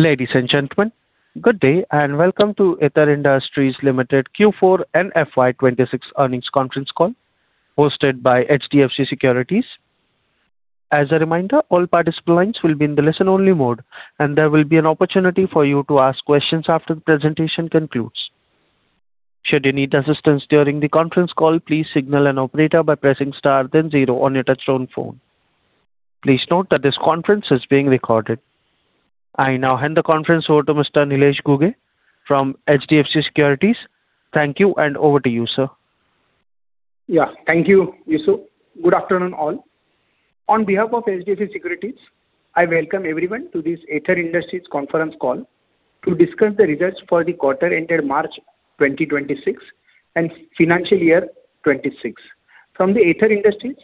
Ladies and gentlemen, good day, welcome to Aether Industries Limited Q4 and FY 2026 Earnings Conference Call hosted by HDFC Securities. I now hand the conference over to Mr. Nilesh Ghuge from HDFC Securities. Thank you, and over to you, sir. Yeah. Thank you, Yusu. Good afternoon all. On behalf of HDFC Securities, I welcome everyone to this Aether Industries conference call to discuss the results for the quarter ended March 2026 and financial year 2026. From the Aether Industries,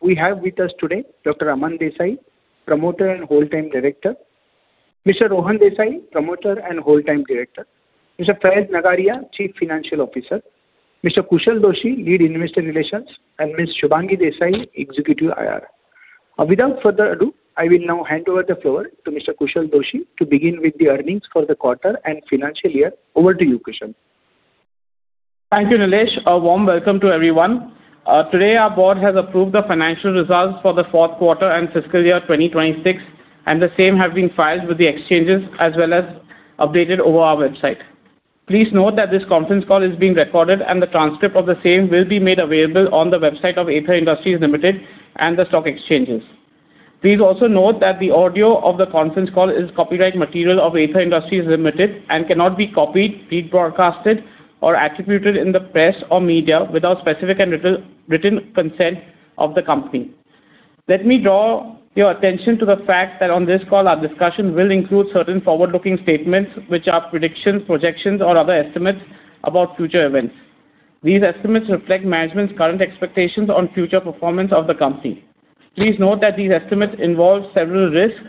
we have with us today Dr. Aman Desai, Promoter and Whole Time Director. Mr. Rohan Desai, Promoter and Whole Time Director. Mr. Faiz Nagariya, Chief Financial Officer. Mr. Kushal Doshi, Lead Investor Relations, and Ms. Shubhangi Desai, Executive IR. Without further ado, I will now hand over the floor to Mr. Kushal Doshi to begin with the earnings for the quarter and financial year. Over to you, Kushal. Thank you, Nilesh. A warm welcome to everyone. Today our board has approved the financial results for the fourth quarter and fiscal year 2026, and the same have been filed with the exchanges as well as updated over our website. Please note that this conference call is being recorded and the transcript of the same will be made available on the website of Aether Industries Limited and the stock exchanges. Please also note that the audio of the conference call is copyright material of Aether Industries Limited and cannot be copied, rebroadcasted or attributed in the press or media without specific and written consent of the company. Let me draw your attention to the fact that on this call our discussion will include certain forward-looking statements which are predictions, projections or other estimates about future events. These estimates reflect management's current expectations on future performance of the company. Please note that these estimates involve several risks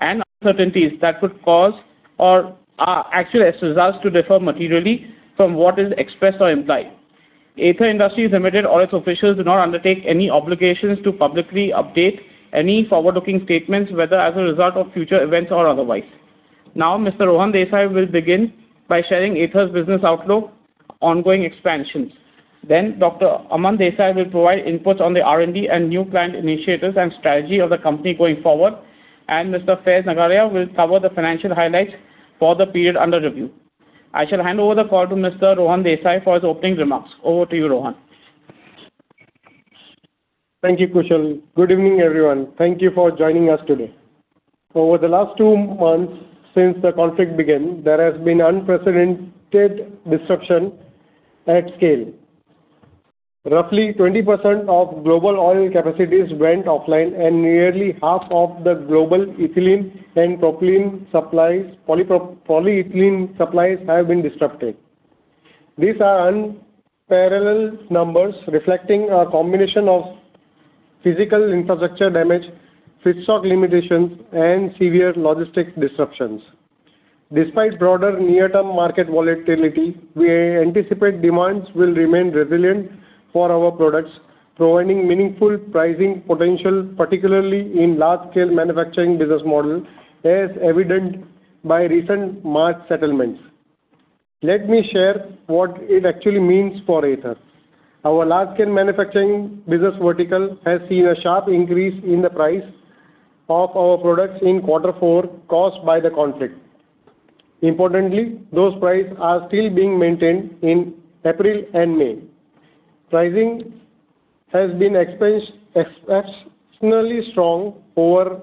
and uncertainties that could cause or actual results to differ materially from what is expressed or implied. Aether Industries Limited or its officials do not undertake any obligations to publicly update any forward-looking statements, whether as a result of future events or otherwise. Mr. Rohan Desai will begin by sharing Aether's business outlook, ongoing expansions. Dr. Aman Desai will provide inputs on the R&D and new planned initiatives and strategy of the company going forward. Mr. Faiz Nagariya will cover the financial highlights for the period under review. I shall hand over the call to Mr. Rohan Desai for his opening remarks. Over to you, Rohan. Thank you, Kushal. Good evening, everyone. Thank you for joining us today. Over the last two months since the conflict began, there has been unprecedented disruption at scale. Roughly 20% of global olefin capacities went offline and nearly half of the global ethylene and propylene supplies, polyethylene supplies have been disrupted. These are unparalleled numbers reflecting a combination of physical infrastructure damage, feedstock limitations and severe logistic disruptions. Despite broader near-term market volatility, we anticipate demands will remain resilient for our products, providing meaningful pricing potential, particularly in large scale manufacturing business model, as evident by recent March settlements. Let me share what it actually means for Aether. Our large scale manufacturing business vertical has seen a sharp increase in the price of our products in Q4 caused by the conflict. Importantly, those prices are still being maintained in April and May. Pricing has been exceptionally strong over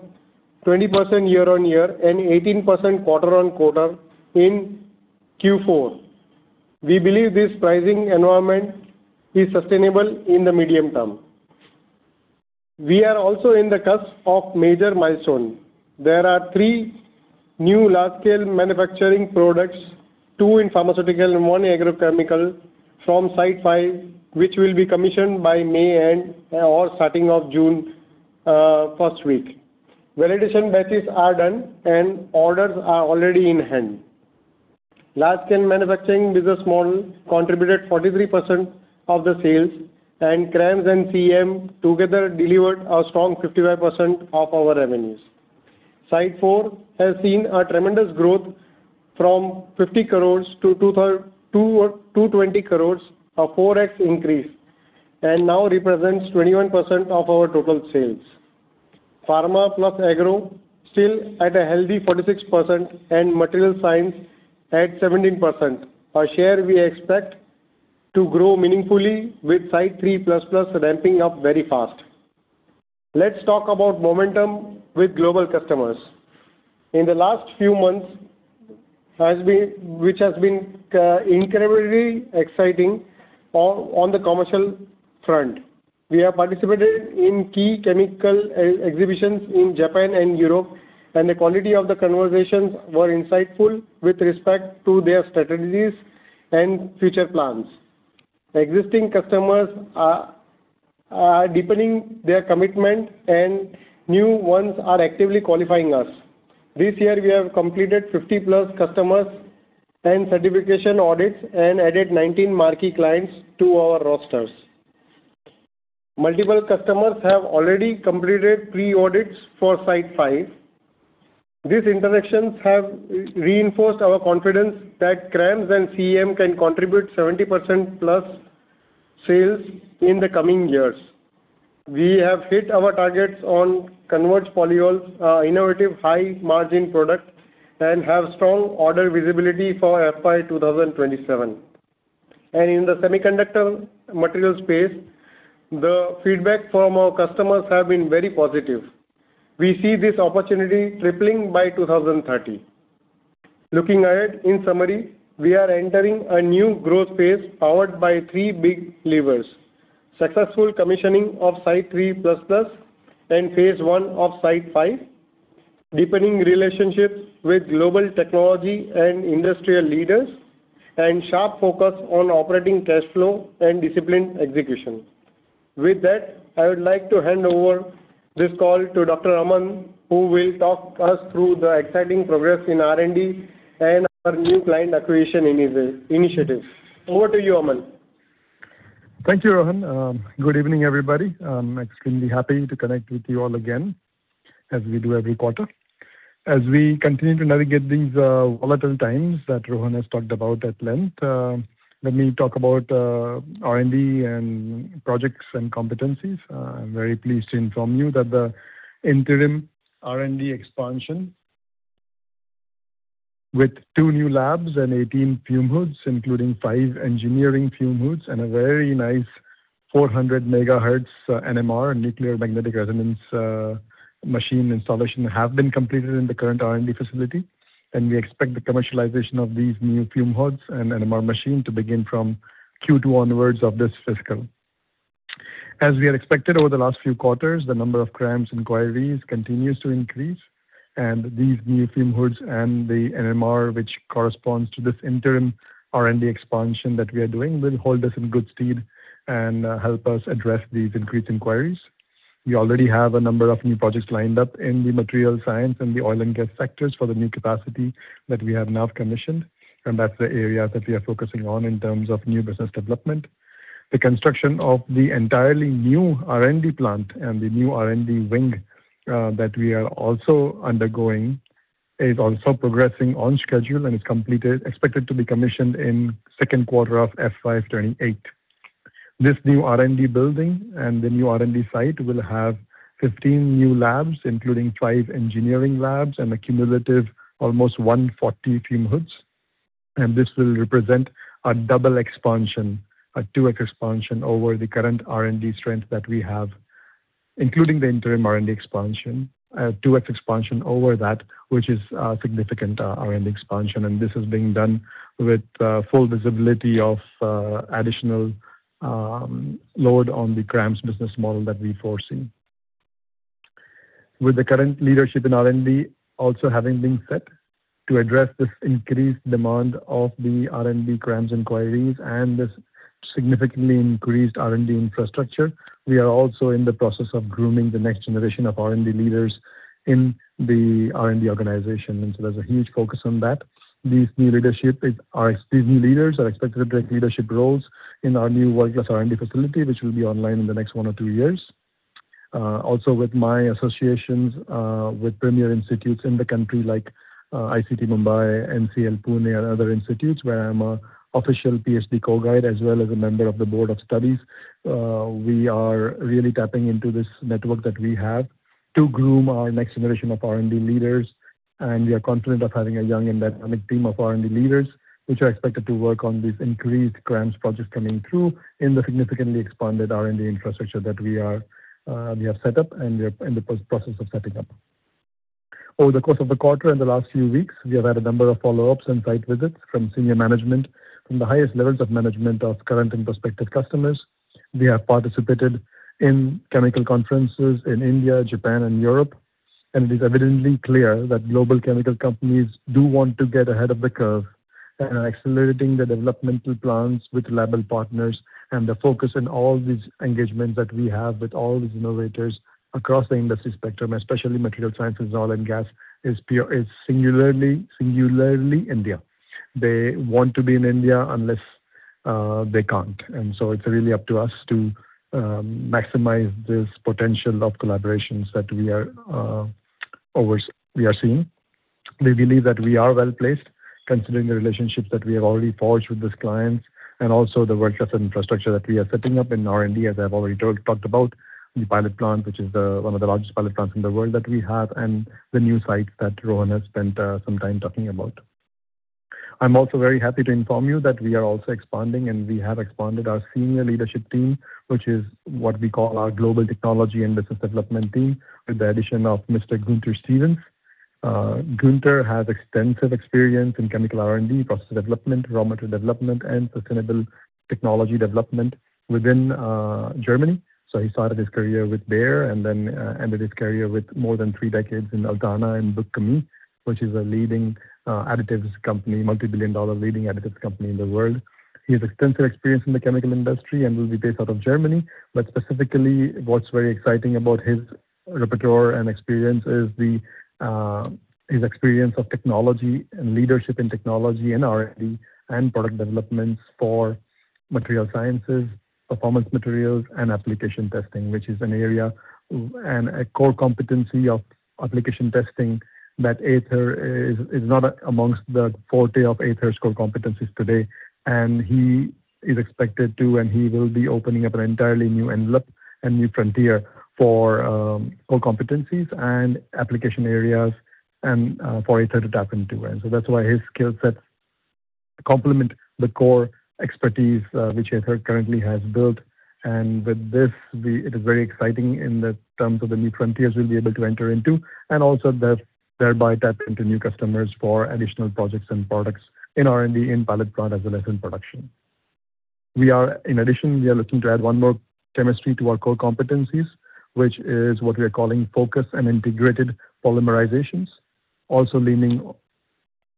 20% year-over-year and 18% quarter-over-quarter in Q4. We believe this pricing environment is sustainable in the medium term. We are also in the cusp of major milestone. There are three new large scale manufacturing products, two in pharmaceutical and one in agrochemical from Site 5, which will be commissioned by May end or starting of 1st June week. Validation batches are done and orders are already in hand. Large scale manufacturing business model contributed 43% of the sales and CRAMS and CM together delivered a strong 55% of our revenues. Site 4 has seen a tremendous growth from 50 crores to 220 crores, a 4x increase, and now represents 21% of our total sales. Pharma plus agro still at a healthy 46% and material science at 17%, a share we expect to grow meaningfully with Site 3+ ramping up very fast. Let's talk about momentum with global customers. In the last few months which has been incredibly exciting on the commercial front. We have participated in key chemical exhibitions in Japan and Europe, and the quality of the conversations were insightful with respect to their strategies and future plans. Existing customers are deepening their commitment and new ones are actively qualifying us. This year, we have completed 50+ customers and certification audits and added 19 marquee clients to our rosters. Multiple customers have already completed pre-audits for Site 5. These interactions have reinforced our confidence that CRAMS and CM can contribute 70% plus sales in the coming years. We have hit our targets on Converge polyols, innovative high margin products, and have strong order visibility for FY 2027. In the semiconductor material space, the feedback from our customers have been very positive. We see this opportunity tripling by 2030. Looking ahead, in summary, we are entering a new growth phase powered by three big levers. Successful commissioning of Site 3+ and phase I of Site 5, deepening relationships with global technology and industrial leaders, and sharp focus on operating cash flow and disciplined execution. With that, I would like to hand over this call to Dr. Aman, who will talk us through the exciting progress in R&D and our new client acquisition initiative. Over to you, Aman. Thank you, Rohan. Good evening, everybody. I'm extremely happy to connect with you all again, as we do every quarter. As we continue to navigate these volatile times that Rohan has talked about at length, let me talk about R&D and projects and competencies. I'm very pleased to inform you that the interim R&D expansion with two new labs and 18 fume hoods, including five engineering fume hoods and a very nice 400 MHz NMR, Nuclear Magnetic Resonance, machine installation have been completed in the current R&D facility. We expect the commercialization of these new fume hoods and NMR machine to begin from Q2 onwards of this fiscal. As we had expected over the last few quarters, the number of CRAMS inquiries continues to increase. These new fume hoods and the NMR, which corresponds to this interim R&D expansion that we are doing, will hold us in good stead and help us address these increased inquiries. We already have a number of new projects lined up in the material science and the oil and gas sectors for the new capacity that we have now commissioned, and that's the area that we are focusing on in terms of new business development. The construction of the entirely new R&D plant and the new R&D wing that we are also undergoing is also progressing on schedule and is expected to be commissioned in second quarter of FY 2028. This new R&D building and the new R&D site will have 15 new labs, including five engineering labs and a cumulative almost 140 fume hoods. This will represent a double expansion, a 2x expansion over the current R&D strength that we have, including the interim R&D expansion, a 2x expansion over that which is a significant R&D expansion. This is being done with full visibility of additional load on the CRAMS business model that we foresee. With the current leadership in R&D also having been set to address this increased demand of the R&D CRAMS inquiries and this significantly increased R&D infrastructure, we are also in the process of grooming the next generation of R&D leaders in the R&D organization. So there's a huge focus on that. These new leaders are expected to take leadership roles in our new world-class R&D facility, which will be online in the next one or two years. Also with my associations with premier institutes in the country like ICT Mumbai, NCL Pune and other institutes where I'm an official PhD co-guide as well as a member of the board of studies, we are really tapping into this network that we have to groom our next generation of R&D leaders. We are confident of having a young and dynamic team of R&D leaders which are expected to work on these increased CRAMS projects coming through in the significantly expanded R&D infrastructure that we have set up and we are in the process of setting up. Over the course of the quarter in the last few weeks, we have had a number of follow-ups and site visits from senior management, from the highest levels of management of current and prospective customers. We have participated in chemical conferences in India, Japan and Europe, and it is evidently clear that global chemical companies do want to get ahead of the curve and are accelerating their developmental plans with. [inaudible] The focus in all these engagements that we have with all these innovators across the industry spectrum, especially material sciences, oil and gas, is singularly India. They want to be in India unless they can't. So it's really up to us to maximize this potential of collaborations that we are seeing. We believe that we are well-placed considering the relationships that we have already forged with these clients and also the world-class infrastructure that we are setting up in R&D, as I've already talked about, the pilot plant, which is one of the largest pilot plants in the world that we have and the new sites that Rohan has spent some time talking about. I'm also very happy to inform you that we are also expanding, and we have expanded our senior leadership team, which is what we call our global technology and business development team, with the addition of Mr. Gunter Stephan. Gunter has extensive experience in chemical R&D, process development, raw material development, and sustainable technology development within Germany. He started his career with Bayer and then ended his career with more than three decades in ALTANA and BYK-Chemie, which is a leading, multi-billion-dollar leading additives company in the world. He has extensive experience in the chemical industry and will be based out of Germany. Specifically, what's very exciting about his repertoire and experience is his experience of technology and leadership in technology and R&D and product developments for material sciences, performance materials, and application testing, which is an area and a core competency of application testing that Aether is not amongst the forte of Aether's core competencies today. He is expected to and he will be opening up an entirely new envelope and new frontier for core competencies and application areas and for Aether to tap into. That's why his skill set to complement the core expertise, which Aether currently has built. With this, we it is very exciting in the terms of the new frontiers we'll be able to enter into, and also thereby tap into new customers for additional projects and products in R&D, in pilot plant, as well as in production. In addition, we are looking to add one more chemistry to our core competencies, which is what we are calling focus and integrated polymerizations. Also leaning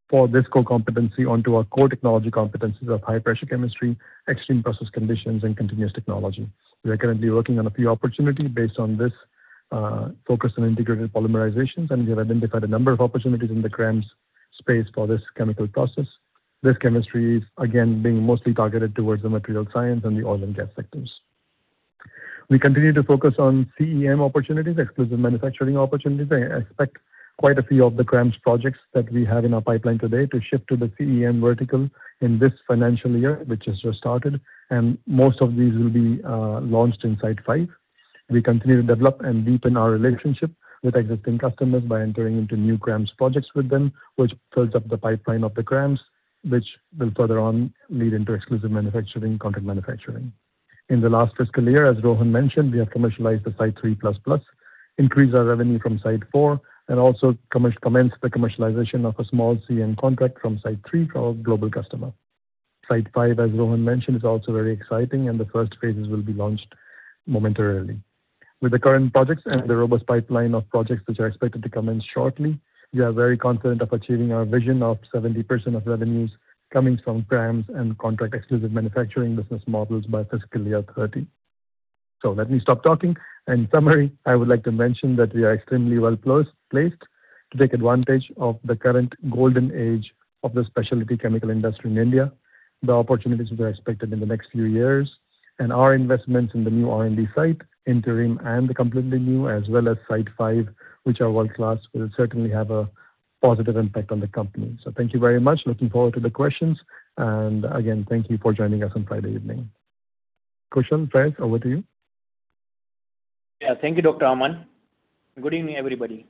for this core competency onto our core technology competencies of high pressure chemistry, extreme process conditions, and continuous technology. We are currently working on a few opportunities based on this focus on integrated polymerizations, and we have identified a number of opportunities in the CRAMS space for this chemical process. This chemistry is again being mostly targeted towards the material science and the oil and gas sectors. We continue to focus on CM opportunities, exclusive manufacturing opportunities. I expect quite a few of the CRAMS projects that we have in our pipeline today to shift to the CM vertical in this financial year, which has just started, and most of these will be launched in site 5. We continue to develop and deepen our relationship with existing customers by entering into new CRAMS projects with them, which builds up the pipeline of the CRAMS, which will further on lead into exclusive manufacturing, contract manufacturing. In the last fiscal year, as Rohan mentioned, we have commercialized the Site 3+, increased our revenue from site 4, and also commenced the commercialization of a small CM contract from site 3 for our global customer. Site 5, as Rohan mentioned, is also very exciting, and the first phases will be launched momentarily. With the current projects and the robust pipeline of projects which are expected to commence shortly, we are very confident of achieving our vision of 70% of revenues coming from CRAMS and contract exclusive manufacturing business models by fiscal year 2030. Let me stop talking. In summary, I would like to mention that we are extremely well-placed to take advantage of the current golden age of the specialty chemical industry in India. The opportunities we are expected in the next few years and our investments in the new R&D site, interim and the completely new as well as Site 5, which are world-class, will certainly have a positive impact on the company. Thank you very much. Looking forward to the questions. Again, thank you for joining us on Friday evening. Faiz, back over to you. Yeah. Thank you, Dr. Aman. Good evening, everybody.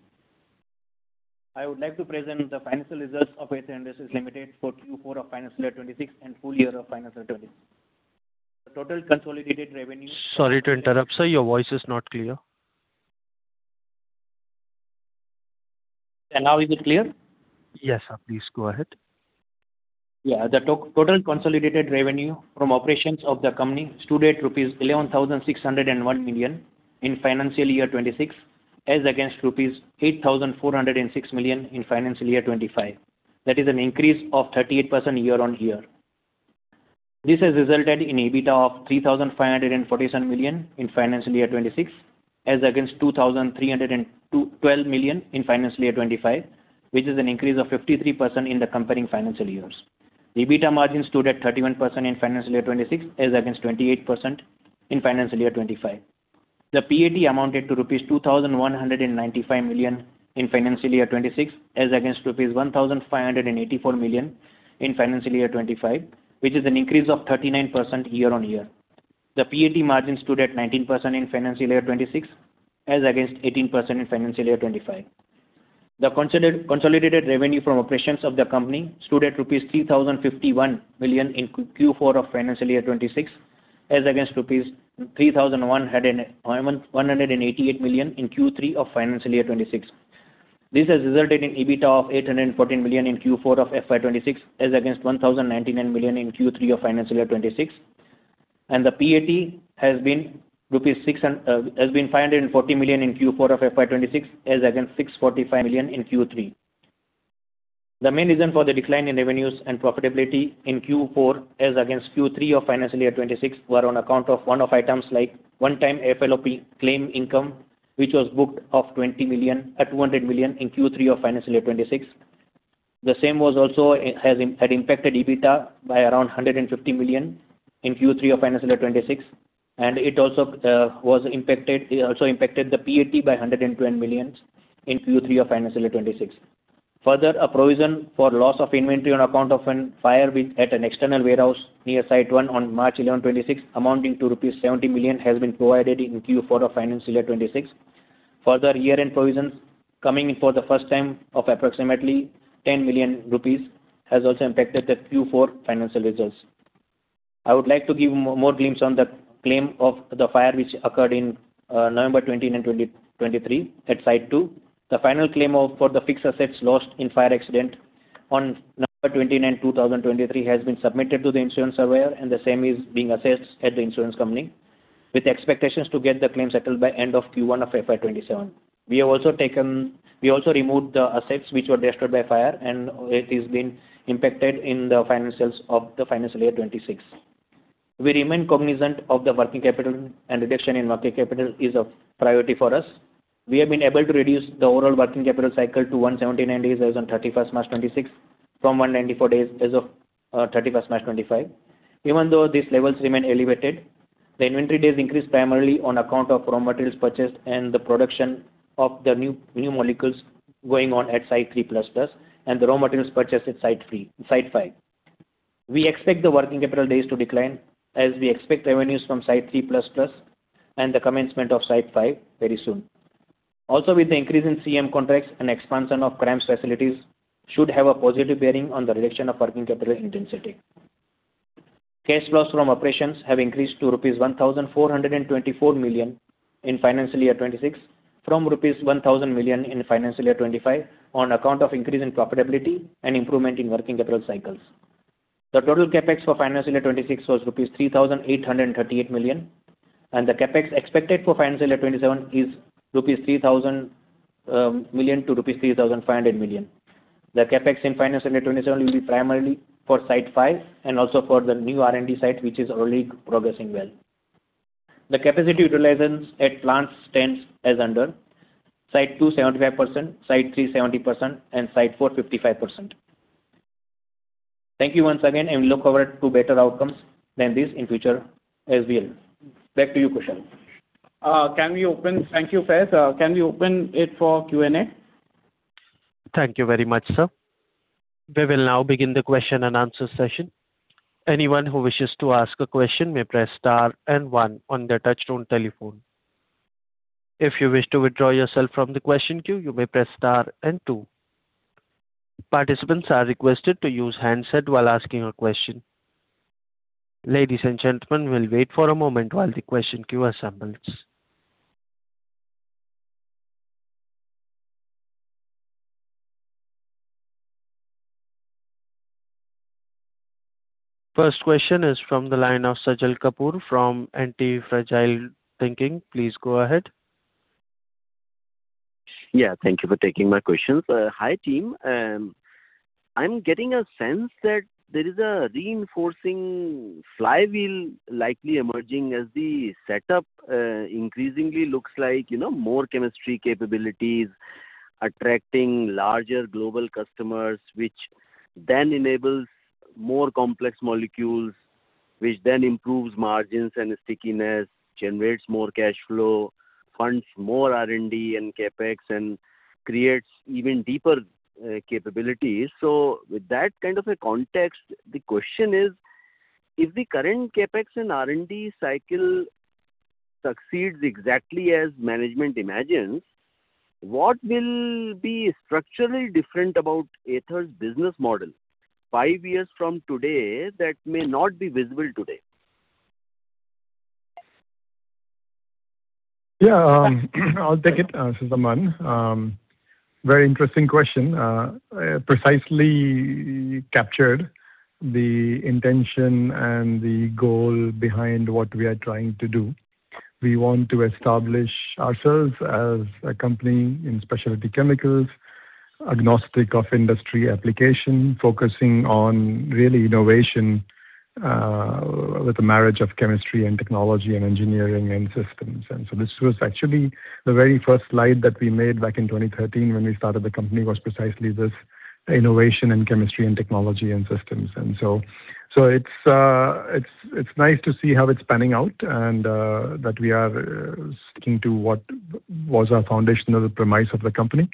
I would like to present the financial results of Aether Industries Limited for Q4 of financial year 2026 and full year of financial 20. Sorry to interrupt, sir. Your voice is not clear. Now is it clear? Yes, sir. Please go ahead. The total consolidated revenue from operations of the company stood at rupees 11,601 million in financial year 2026, as against rupees 8,406 million in financial year 2025. That is an increase of 38% year-on-year. This has resulted in EBITDA of 3,547 million in financial year 2026, as against 2,312 million in financial year 2025, which is an increase of 53% in the comparing financial years. The EBITDA margin stood at 31% in financial year 2026, as against 28% in financial year 2025. The PAT amounted to rupees 2,195 million in financial year 2026, as against rupees 1,584 million in financial year 2025, which is an increase of 39% year-on-year. The PAT margin stood at 19% in FY 2026, as against 18% in FY 2025. The consolidated revenue from operations of the company stood at rupees 3,051 million in Q4 of FY 2026, as against rupees 3,188 million in Q3 of FY 2026. This has resulted in EBITDA of 814 million in Q4 of FY 2026, as against 1,099 million in Q3 of FY 2026. The PAT has been 540 million in Q4 of FY 2026, as against 645 million in Q3. The main reason for the decline in revenues and profitability in Q4 as against Q3 of FY 2026 were on account of one-off items like one-time MLOP claim income, which was booked of 200 million in Q3 of FY 2026. The same had impacted EBITDA by around 150 million in Q3 of FY 2026, it also impacted the PAT by 112 million in Q3 of FY 2026. Further, a provision for loss of inventory on account of a fire at an external warehouse near Site 1 on 11 March 2026 amounting to INR 70 million has been provided in Q4 of FY 2026. Further, year-end provisions coming in for the first time of approximately 10 million rupees has also impacted the Q4 financial results. I would like to give more glimpse on the claim of the fire which occurred in 29 November 2023 at site 2. The final claim for the fixed assets lost in fire accident on 29 November 2023 has been submitted to the insurance surveyor, and the same is being assessed at the insurance company with expectations to get the claim settled by end of Q1 of FY 2027. We also removed the assets which were destroyed by fire and it is been impacted in the financials of the financial year 2026. We remain cognizant of the working capital and reduction in working capital is of priority for us. We have been able to reduce the overall working capital cycle to 179 days as on 31st March 2026 from 194 days as of 31st March 2025. Even though these levels remain elevated, the inventory days increased primarily on account of raw materials purchased and the production of the new molecules going on at Site 3+ and the raw materials purchased at Site 5. We expect the working capital days to decline as we expect revenues from Site 3+ and the commenCMent of Site 5 very soon. With the increase in CM contracts and expansion of CRAMS' facilities should have a positive bearing on the reduction of working capital intensity. Cash flows from operations have increased to rupees 1,424 million in FY 2026 from rupees 1,000 million in FY 2025 on account of increase in profitability and improvement in working capital cycles. The total CapEx for financial year 2026 was rupees 3,838 million, and the CapEx expected for financial year 2027 is rupees 3,000 million to rupees 3,500 million. The CapEx in financial year 2027 will be primarily for Site 5 and also for the new R&D site, which is already progressing well. The capacity utilizations at plants stands as under: Site 2, 75%; Site 3, 70%; and Site 4, 55%. Thank you once again, and we look forward to better outcomes than this in future as well. Back to you, Kushal. Thank you, Faiz. Can we open it for Q&A? Thank you very much, sir. We will now begin the question-and-answer session. First question is from the line of Sajal Kapoor from Antifragile Thinking. Please go ahead. Yeah. Thank you for taking my questions. Hi, team. I'm getting a sense that there is a reinforcing flywheel likely emerging as the setup increasingly looks like, you know, more chemistry capabilities attracting larger global customers, which then enables more complex molecules, which then improves margins and stickiness, generates more cash flow, funds more R&D and CapEx, and creates even deeper capabilities. With that kind of a context, the question is: If the current CapEx and R&D cycle succeeds exactly as management imagines, what will be structurally different about Aether's business model five years from today that may not be visible today? Yeah. I'll take it. This is Aman. Very interesting question. Precisely captured the intention and the goal behind what we are trying to do. We want to establish ourselves as a company in specialty chemicals, agnostic of industry application, focusing on really innovation, with the marriage of chemistry and technology and engineering and systems. This was actually the very first slide that we made back in 2013 when we started the company, was precisely this innovation in chemistry and technology and systems. It's nice to see how it's panning out and that we are sticking to what was our foundational premise of the company.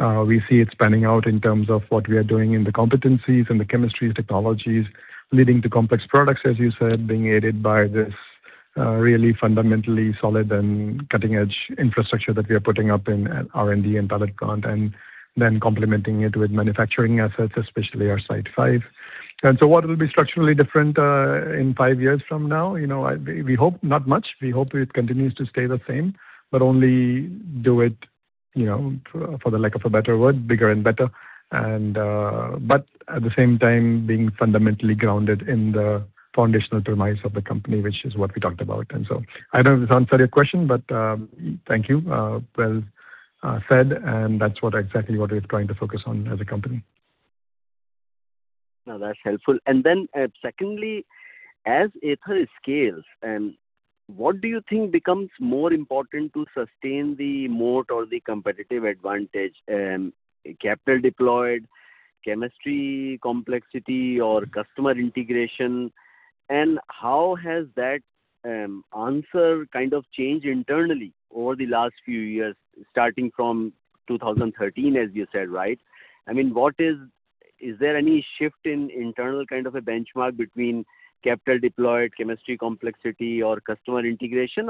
We see it spanning out in terms of what we are doing in the competencies, in the chemistries, technologies, leading to complex products, as you said, being aided by this really fundamentally solid and cutting-edge infrastructure that we are putting up in R&D and pilot plant, and then complementing it with manufacturing assets, especially our Site 5. What will be structurally different in five years from now? You know, I, we hope not much. We hope it continues to stay the same, but only do it, you know, for the lack of a better word, bigger and better and, but at the same time being fundamentally grounded in the foundational premise of the company, which is what we talked about. I don't know if this answered your question, but thank you. Well, said, and that's what exactly what we're trying to focus on as a company. That's helpful. Secondly, as Aether scales, what do you think becomes more important to sustain the moat or the competitive advantage? Capital deployed, chemistry complexity or customer integration? How has that answer kind of changed internally over the last few years, starting from 2013, as you said, right? I mean, is there any shift in internal kind of a benchmark between capital deployed, chemistry complexity or customer integration?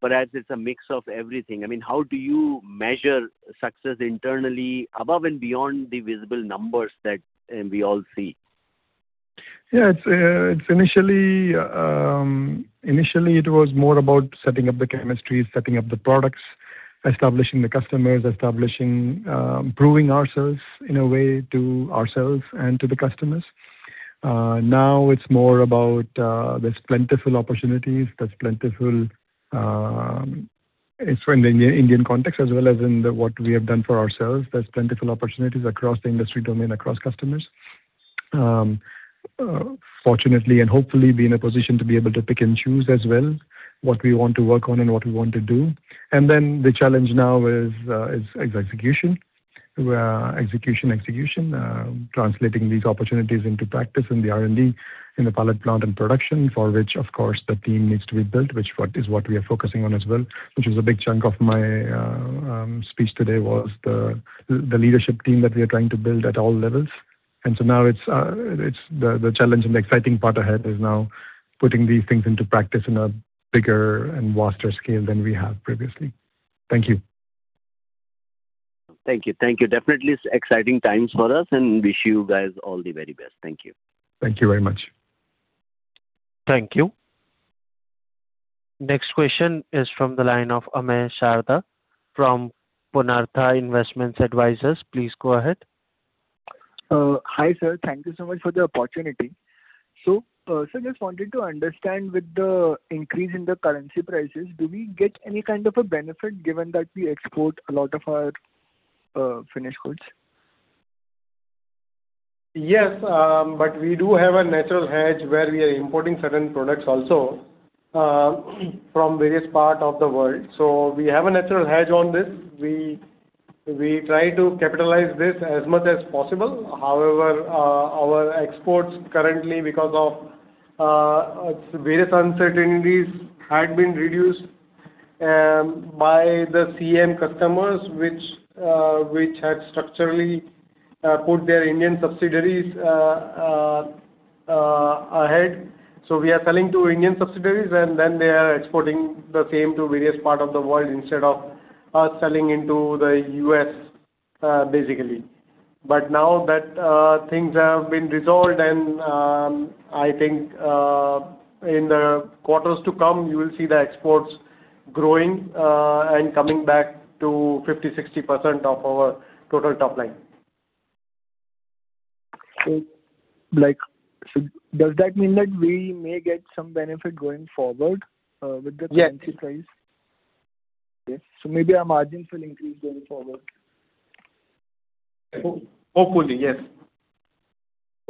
Perhaps it's a mix of everything. I mean, how do you measure success internally above and beyond the visible numbers that we all see? Yeah. It's, it's initially it was more about setting up the chemistries, setting up the products, establishing the customers, establishing, Proving ourselves in a way to ourselves and to the customers. Now it's more about, there's plentiful opportunities. There's plentiful in the Indian context as well as in the, what we have done for ourselves, there's plentiful opportunities across the industry domain, across customers. Fortunately and hopefully be in a position to be able to pick and choose as well what we want to work on and what we want to do. Then the challenge now is execution. Execution. Translating these opportunities into practice in the R&D, in the pilot plant and production, for which of course the team needs to be built, which is what we are focusing on as well, which is a big chunk of my speech today, was the leadership team that we are trying to build at all levels. Now it's the challenge and the exciting part ahead is now putting these things into practice in a bigger and vaster scale than we have previously. Thank you. Thank you. Thank you. Definitely it's exciting times for us, and wish you guys all the very best. Thank you. Thank you very much. Thank you. Next question is from the line of Amay Sharda from Purnartha Investment Advisors. Please go ahead. Hi, sir. Thank you so much for the opportunity. Sir, just wanted to understand with the increase in the currency prices, do we get any kind of a benefit given that we export a lot of our finished goods? Yes, but we do have a natural hedge where we are importing certain products also from various part of the world. We have a natural hedge on this. We try to capitalize this as much as possible. However, our exports currently because of various uncertainties had been reduced by the CM customers which had structurally put their Indian subsidiaries ahead. We are selling to Indian subsidiaries and then they are exporting the same to various part of the world instead of us selling into the U.S. basically. Now that things have been resolved and I think in the quarters to come you will see the exports growing and coming back to 50%-60% of our total top line. Does that mean that we may get some benefit going forward? Yes. currency price? Yes. Maybe our margins will increase going forward. Hopefully, yes.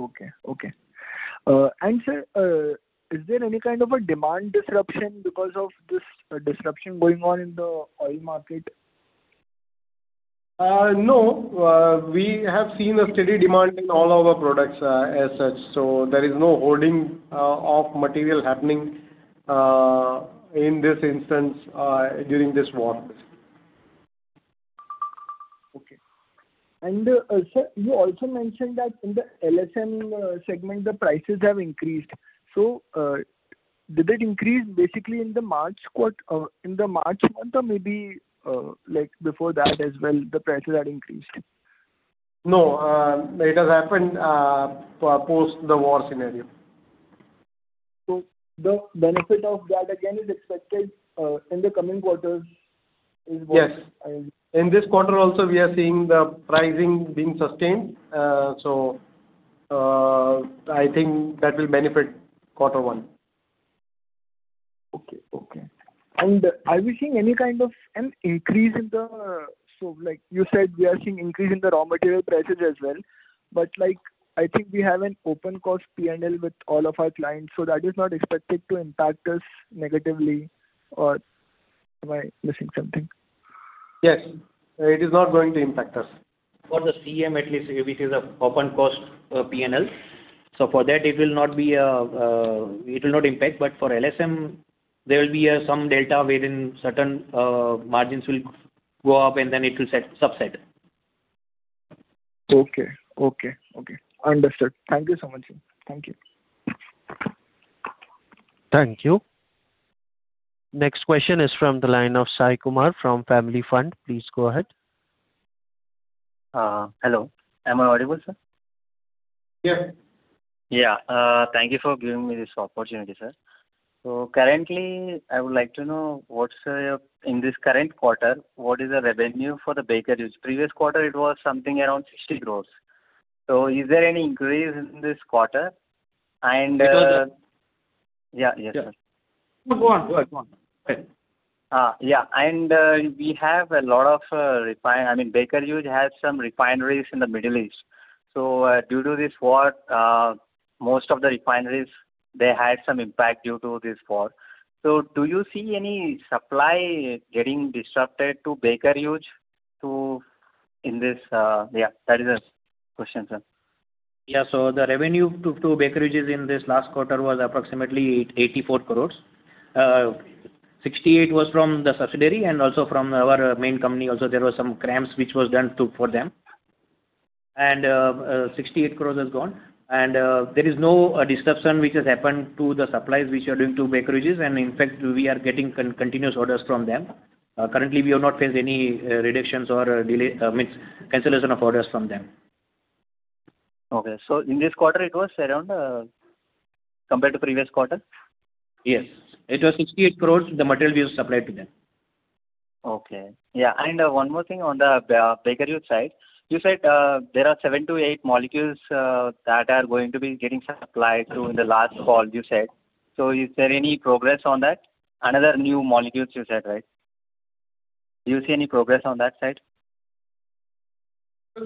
Okay. Okay. Sir, is there any kind of a demand disruption because of this disruption going on in the oil market? No. We have seen a steady demand in all our products, as such, so there is no holding of material happening in this instance during this war basically. Okay. Sir, you also mentioned that in the LSM segment the prices have increased. Did it increase basically in the March month or maybe like before that as well the prices had increased? No. It has happened, post the war scenario. The benefit of that again is expected in the coming quarters. Yes. In this quarter also we are seeing the pricing being sustained. I think that will benefit quarter one. Okay. Are we seeing any kind of an increase in the Like you said, we are seeing increase in the raw material prices as well, I think we have an open cost P&L with all of our clients, that is not expected to impact us negatively, or am I missing something? Yes. It is not going to impact us. For the CM at least, which is a open cost, P&L. For that it will not be, it will not impact. For LSM there will be a some data wherein certain, margins will go up and then it will set, subside. Okay. Okay. Okay. Understood. Thank you so much, sir. Thank you. Thank you. Next question is from the line of Sai Kumar from Family Fund. Please go ahead. Hello. Am I audible, sir? Yes. Thank you for giving me this opportunity, sir. Currently I would like to know what's in this current quarter, what is the revenue for the Baker Hughes? Previous quarter it was something around 60 crores. Is there any increase in this quarter? It was Yeah. Yes, sir. Yeah. No, go on. Go ahead. Go on. Yeah. I mean, Baker Hughes has some refineries in the Middle East. Due to this war, most of the refineries they had some impact due to this war. Do you see any supply getting disrupted to Baker Hughes in this? That is the question, sir. The revenue to Baker Hughes in this last quarter was approximately 84 crores. 68 was from the subsidiary and from our main company there was some CRAMs which was done for them. 68 crores is gone. There is no disruption which has happened to the supplies which are doing to Baker Hughes. In fact we are getting continuous orders from them. Currently we have not faced any reductions or delay or cancellation of orders from them. Okay. In this quarter it was around, compared to previous quarter? Yes. It was 68 crores the material we have supplied to them. Okay. Yeah. One more thing on the Baker Hughes side. You said there are seven to eight molecules that are going to be getting supplied to in the last call you said. Is there any progress on that? Another new molecules you said, right? Do you see any progress on that side?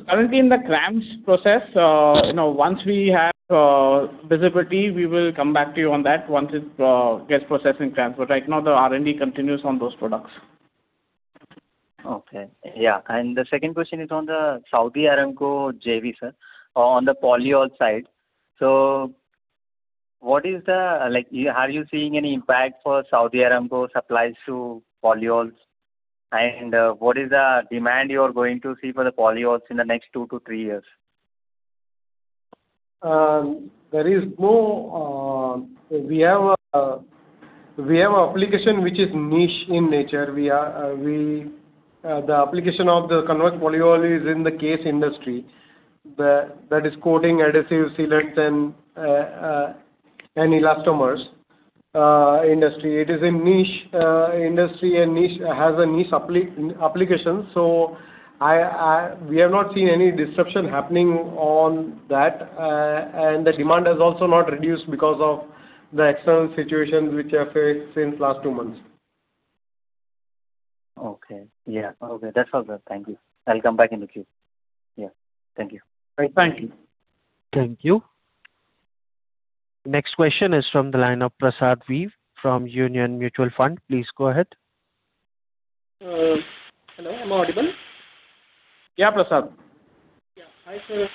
Currently in the CRAMS process. You know, once we have visibility we will come back to you on that once it gets processed in CRAM. Right now the R&D continues on those products. Okay. Yeah. The second question is on the Saudi Aramco JV, sir, on the polyol side. What is the, like, are you seeing any impact for Saudi Aramco supplies to polyols? What is the demand you are going to see for the polyols in the next two to three years? There is no. We have a application which is niche in nature. The application of the Converge polyol is in the CASE industry. That is Coatings, Adhesives, Sealants, and Elastomers industry. It is a niche industry and niche has a niche application. We have not seen any disruption happening on that. The demand has also not reduced because of the external situations which are faced since last two months. Okay. Yeah. Okay. That's all good. Thank you. I'll come back in the queue. Yeah. Thank you. Thank you. Thank you. Next question is from the line of Prasad V from Union Mutual Fund. Please go ahead. Hello, am I audible? Yeah, Prasad. Yeah. Hi, sir.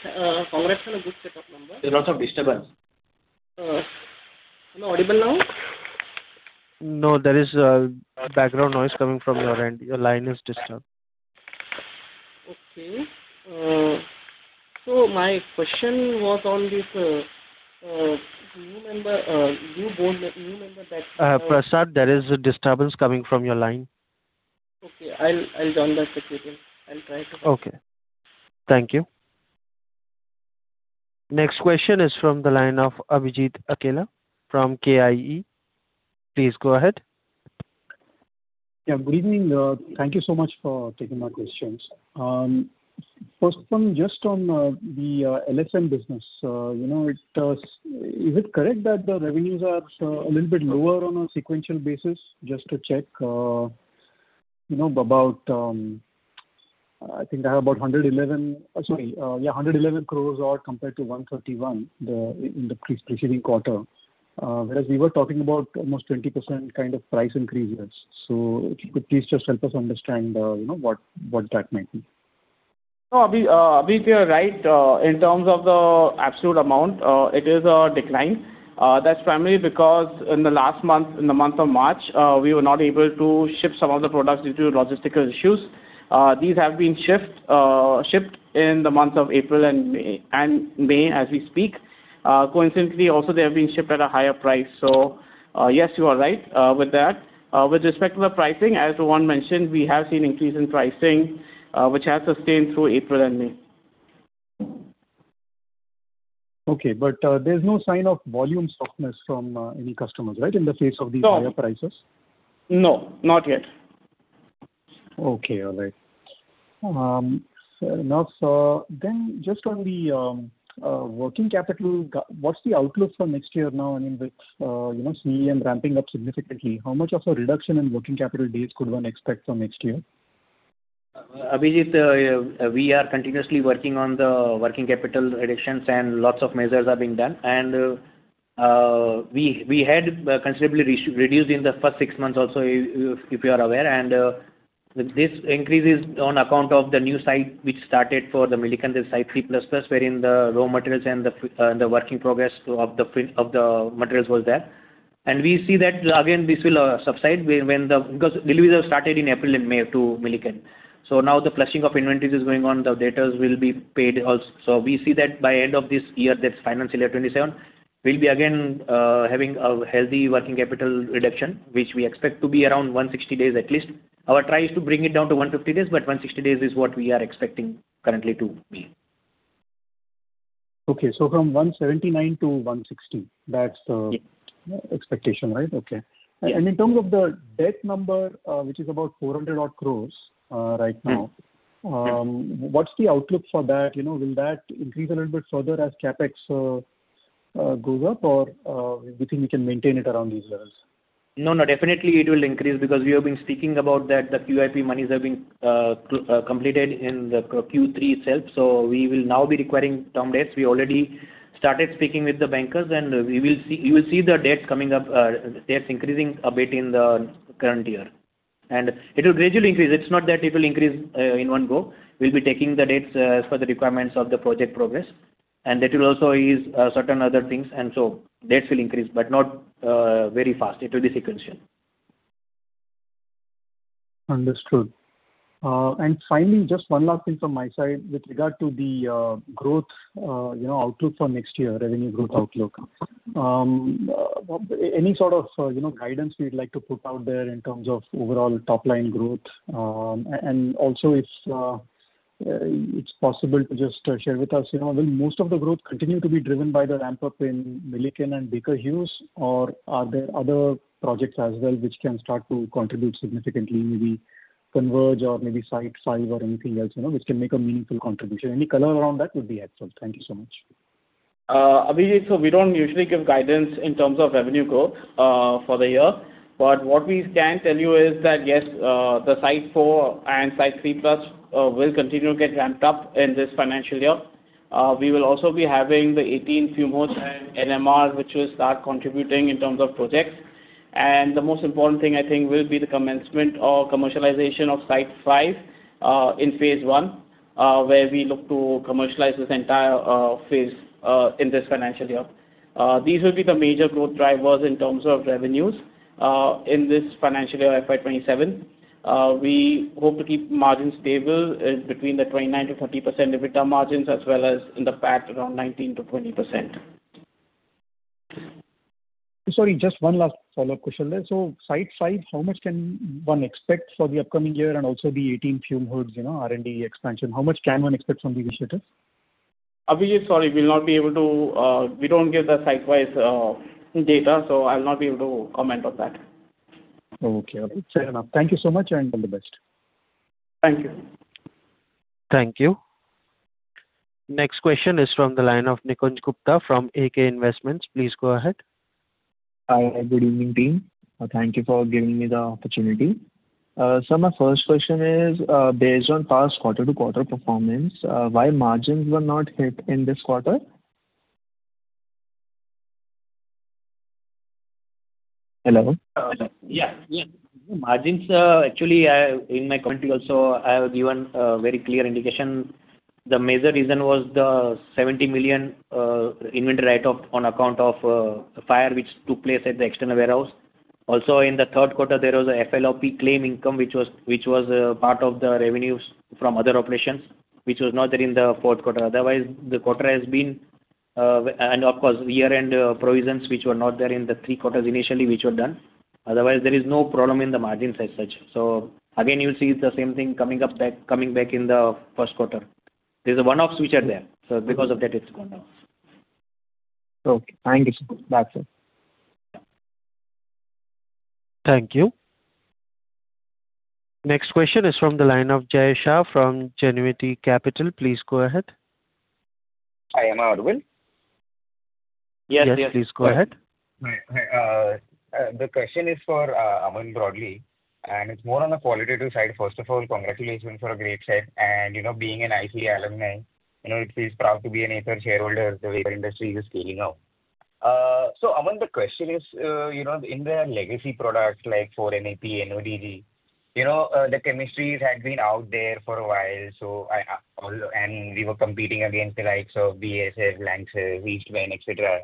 Congratulations on good set of numbers. There's lots of disturbance. Am I audible now? No, there is background noise coming from your end. Your line is disturbed. Okay. My question was on this, do you remember, you told that Prasad, there is a disturbance coming from your line. Okay. I'll join the circuit. Okay. Thank you. Next question is from the line of Abhijit Akella from KIE. Please go ahead. Yeah. Good evening. Thank you so much for taking my questions. First one, just on the LSM business. You know, is it correct that the revenues are a little bit lower on a sequential basis? Just to check, you know, about, I think they have about 111 crores or compared to 131 in the pre-preceding quarter. Whereas we were talking about almost 20% kind of price increases. If you could please just help us understand, you know, what that might be. No, Abhi, Abhijit, you're right. In terms of the absolute amount, it is a decline. That's primarily because in the last month, in the month of March, we were not able to ship some of the products due to logistical issues. These have been shipped in the month of April and May, and May as we speak. Coincidentally also, they have been shipped at a higher price. Yes, you are right, with that. With respect to the pricing, as Rohan mentioned, we have seen increase in pricing, which has sustained through April and May. Okay. There's no sign of volume softness from any customers, right? In the face of these higher prices. No. Not yet. Okay. All right. Just on the working capital, what's the outlook for next year now? I mean, with, you know, CM ramping up significantly, how much of a reduction in working capital days could one expect for next year? Abhijit, we are continuously working on the working capital reductions, and lots of measures are being done. We had considerably reduced in the first six months also, if you are aware. This increases on account of the new site which started for the Milliken, the Site 3+, wherein the raw materials and the working progress of the materials was there. We see that again, this will subside when the Because deliveries have started in April and May to Milliken. Now the flushing of inventories is going on. The debtors will be paid so we see that by end of this year, that's financial year 2027, we'll be again having a healthy working capital reduction, which we expect to be around 160 days at least. Our try is to bring it down to 150 days, but 160 days is what we are expecting currently to be. Okay. From 179 to 160. Yeah. expectation, right? Okay. Yeah. In terms of the debt number, which is about 400 odd crores, right now. Yeah. What's the outlook for that? You know, will that increase a little bit further as CapEx goes up or do you think you can maintain it around these levels? No, no, definitely it will increase because we have been speaking about that. The QIP monies have been completed in the Q3 itself. We will now be requiring term debts. We already started speaking with the bankers, and we will see, you will see the debt coming up, debts increasing a bit in the current year. It will gradually increase. It's not that it will increase in one go. We'll be taking the debts as per the requirements of the project progress. That will also ease certain other things. Debts will increase, but not very fast. It will be sequential. Understood. Finally, just one last thing from my side with regard to the growth, you know, outlook for next year, revenue growth outlook. Any sort of, you know, guidance we'd like to put out there in terms of overall top-line growth? Also if it's possible to just share with us, you know, will most of the growth continue to be driven by the ramp-up in Milliken and Baker Hughes, or are there other projects as well which can start to contribute significantly, maybe Converge or maybe Site V or anything else, you know, which can make a meaningful contribution? Any color around that would be excellent. Thank you so much. Abhijit, we don't usually give guidance in terms of revenue growth for the year. What we can tell you is that, yes, the Site IV and Site 3+, will continue to get ramped up in this financial year. We will also be having the 18 fume hoods and NMR, which will start contributing in terms of projects. The most important thing, I think, will be the commenCMent or commercialization of Site 5, in phase I, where we look to commercialize this entire phase in this financial year. These will be the major growth drivers in terms of revenues in this financial year, FY 2027. We hope to keep margins stable between the 29%-30% EBITDA margins as well as in the PAT around 19%-20%. Sorry, just one last follow-up question there. Site five, how much can one expect for the upcoming year and also the 18 fume hoods, you know, R&D expansion? How much can one expect from these initiatives? Abhijit, sorry, we'll not be able to. We don't give the site-wise data, so I'll not be able to comment on that. Okay. All right. Fair enough. Thank you so much, and all the best. Thank you. Thank you. Next question is from the line of Ambuj Gupta from AK Investments. Please go ahead. Hi. Good evening, team. Thank you for giving me the opportunity. My first question is, based on past quarter-to-quarter performance, why margins were not hit in this quarter? Hello? Yeah. Yeah. Margins, actually, in my comment also, I have given a very clear indication. The major reason was the 70 million inventory write-off on account of a fire which took place at the external warehouse. In the third quarter, there was a MLOP claim income which was part of the revenues from other operations, which was not there in the fourth quarter. Otherwise, the quarter has been, and of course, year-end provisions which were not there in the 3 quarters initially which were done. Otherwise, there is no problem in the margins as such. Again, you'll see the same thing coming back in the first quarter. There's a one-off switch out there, because of that it's gone down. Okay. Thank you, sir. That's it. Thank you. Next question is from the line of Jay Shah from Genuity Capital. Please go ahead. Hi, Aman, well. Yes, please go ahead. Hi. Hi. The question is for Aman broadly, and it is more on the qualitative side. First of all, congratulations for a great set. You know, being an ICT alumni, you know, it feels proud to be an Aether shareholder the way the industry is scaling up. So Aman, the question is, you know, in the legacy products like 4MEP, NODG, you know, the chemistries had been out there for a while, so we were competing against the likes of BASF, Lanxess, Eastman, et cetera,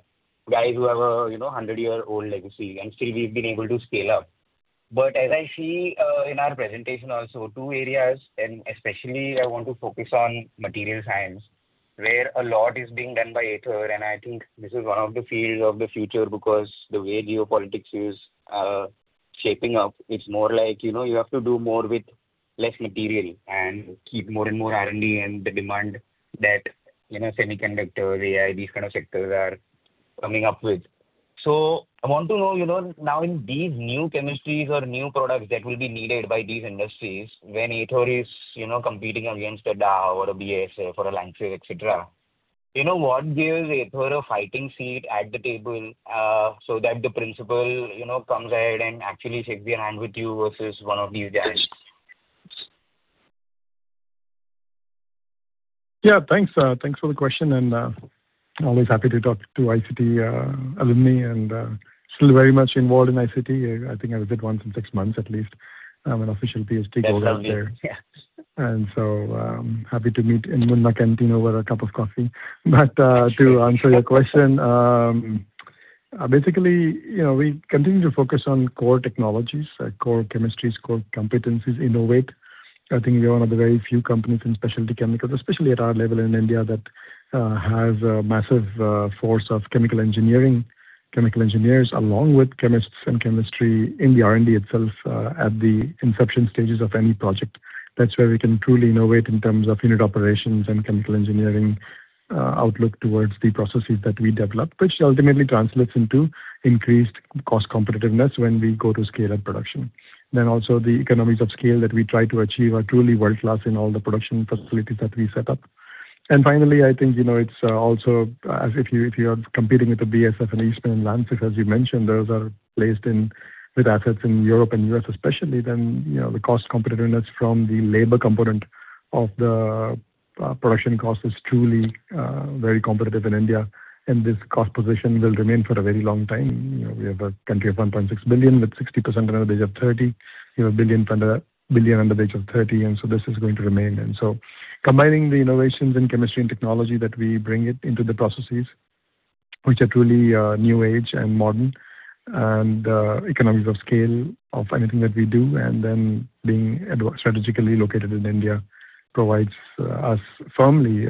guys who have a, you know, 100-year-old legacy, and still we have been able to scale up. As I see, in our presentation also, two areas, and especially I want to focus on material science, where a lot is being done by Aether, and I think this is one of the fields of the future because the way geopolitics is shaping up, it's more like, you know, you have to do more with less material and keep more and more R&D and the demand that, you know, semiconductor, AI, these kind of sectors are coming up with. I want to know, you know, now in these new chemistries or new products that will be needed by these industries when Aether is, you know, competing against a Dow or a BASF or a Lanxess, et cetera. You know, what gives Aether a fighting seat at the table, so that the principal, you know, comes ahead and actually shakes their hand with you versus one of these guys? Yeah. Thanks, thanks for the question and always happy to talk to ICT alumni and still very much involved in ICT. I think I visit once in six months at least. I'm an official PhD holder there. That's all good. Yeah. Happy to meet in Munna Canteen over a cup of coffee. To answer your question, basically, you know, we continue to focus on core technologies, core chemistries, core competencies, innovate. I think we are one of the very few companies in specialty chemicals, especially at our level in India, that has a massive force of chemical engineering, chemical engineers along with chemists and chemistry in the R&D itself, at the inception stages of any project. That's where we can truly innovate in terms of unit operations and chemical engineering outlook towards the processes that we develop, which ultimately translates into increased cost competitiveness when we go to scale up production. Also the economies of scale that we try to achieve are truly world-class in all the production facilities that we set up. Finally, I think, you know, it's also as if you, if you're competing with a BASF, an Eastman and Lanxess, as you mentioned, those are placed with assets in Europe and U.S. especially, then, you know, the cost competitiveness from the labor component of the production cost is truly very competitive in India, and this cost position will remain for a very long time. You know, we have a country of 1.6 billion, with 60% under the age of 30. We have 1 billion under the age of 30. This is going to remain. Combining the innovations in chemistry and technology that we bring it into the processes, which are truly new age and modern, economies of scale of anything that we do, then being strategically located in India provides us firmly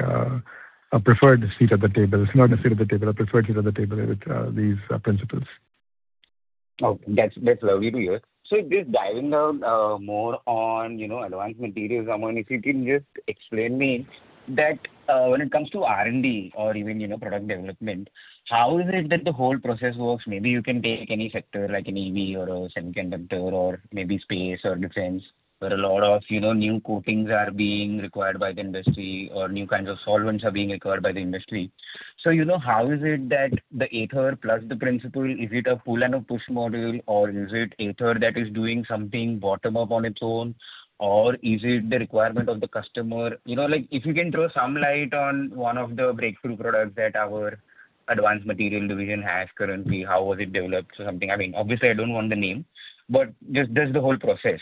a preferred seat at the table. It's not a seat at the table, a preferred seat at the table with these principals. Okay. That's lovely to hear. Just diving down, more on, you know, advanced materials, Aman, if you can just explain me that, when it comes to R&D or even, you know, product development, how is it that the whole process works? Maybe you can take any sector like an EV or a semiconductor or maybe space or defense, where a lot of, you know, new coatings are being required by the industry or new kinds of solvents are being acquired by the industry. You know, how is it that the Aether plus the principal, is it a pull and a push model, or is it Aether that is doing something bottom-up on its own, or is it the requirement of the customer? You know, like if you can throw some light on one of the breakthrough products that our advanced material division has currently, how was it developed or something? I mean, obviously, I don't want the name, but just the whole process.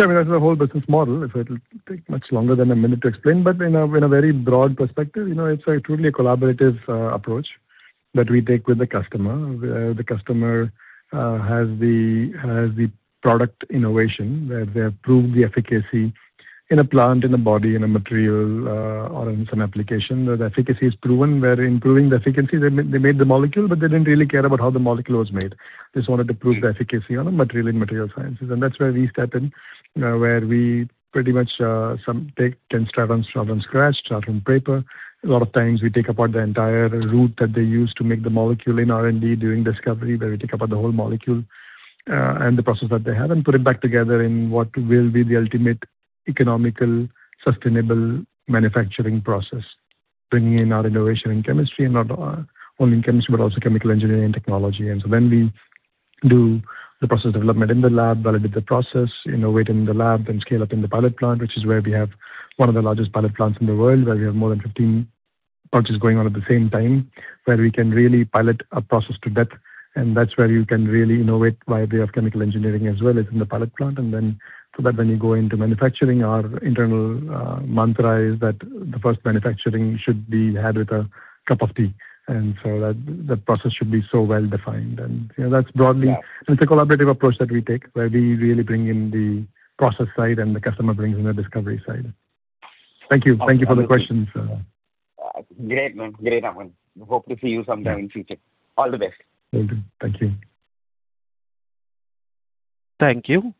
Yeah, I mean, that's the whole business model. If it'll take much longer than a minute to explain. In a very broad perspective, you know, it's truly a collaborative approach that we take with the customer. The customer has the product innovation. They have proved the efficacy in a plant, in a body, in a material or in some application that efficacy is proven. Where in proving the efficacy, they made the molecule, they didn't really care about how the molecule was made. They just wanted to prove the efficacy on a material in material sciences. That's where we step in, where we pretty much start from scratch, start from paper. A lot of times we take apart the entire route that they use to make the molecule in R&D during discovery, where we take apart the whole molecule, and the process that they have, and put it back together in what will be the ultimate economical, sustainable manufacturing process, bringing in our innovation in chemistry and not only in chemistry, but also chemical engineering technology. We do the process development in the lab, validate the process, innovate in the lab, then scale up in the pilot plant, which is where we have one of the largest pilot plants in the world, where we have more than 15 batches going on at the same time. Where we can really pilot a process to depth, and that's where you can really innovate via way of chemical engineering as well as in the pilot plant. When you go into manufacturing, our internal mantra is that the first manufacturing should be had with a cup of tea. The process should be so well defined. Yeah. It's a collaborative approach that we take, where we really bring in the process side and the customer brings in the discovery side. Thank you. Thank you for the questions. Great, man. Great, Aman. Hope to see you sometime in future. All the best. Thank you. Thank you. Thank you.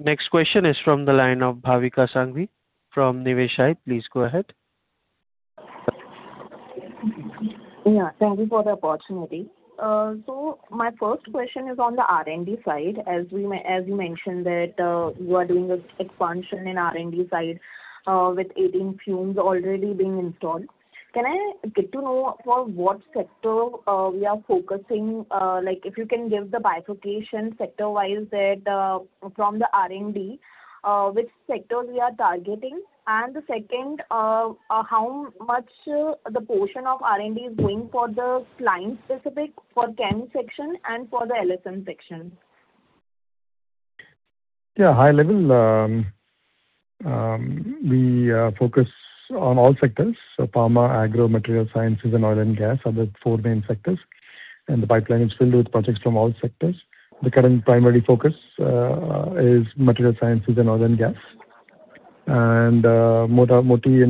Next question is from the line of Bhavika Singhvi from Niveshaay. Please go ahead. Yeah, thank you for the opportunity. My first question is on the R&D side. As you mentioned that, you are doing this expansion in R&D side, with 18 fume hoods already being installed. Can I get to know for what sector we are focusing? Like, if you can give the bifurcation sector-wise that, from the R&D, which sectors we are targeting? The second, how much the portion of R&D is going for the client specific for CM section and for the LSM section? Yeah, high level, we focus on all sectors. Pharma, agro, material sciences and oil and gas are the 4 main sectors, and the pipeline is filled with projects from all sectors. The current primary focus is material sciences and oil and gas. In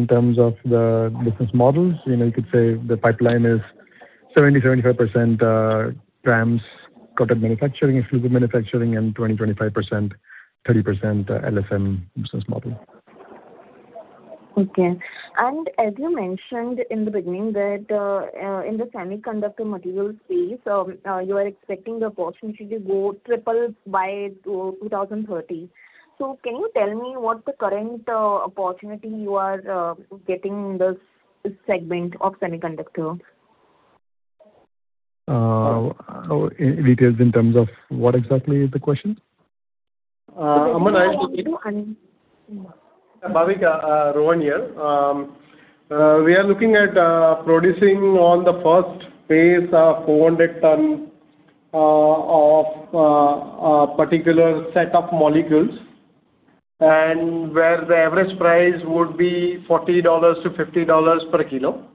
terms of the business models, you know, you could say the pipeline is 70-75% CRAMS product manufacturing and fluid manufacturing and 20-25%, 30% LSM business model. Okay. As you mentioned in the beginning that, in the semiconductor materials space, you are expecting the portion should go triple by 2030. Can you tell me what's the current opportunity you are getting in this segment of semiconductor? Details in terms of what exactly is the question? Aman. Bhavika, Rohan here. We are looking at producing on the first phase 400 ton of a particular set of molecules and where the average price would be $40-$50 per kilo.